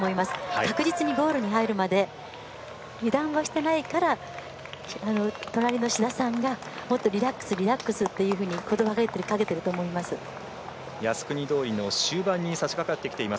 確実にゴールに入るまで油断はしていないから隣の志田さんが「もっとリラックスリラックス」ってことばをかけていると思います。